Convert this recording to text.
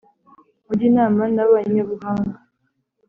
ujye inama n’abanyabuhanga